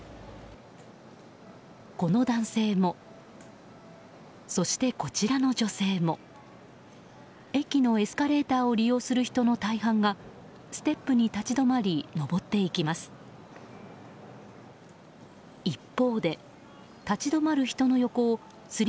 この男性もそして、こちらの女性も駅のエスカレーターを利用する人の大半がステップに立ち止まり